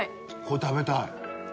これ食べたい。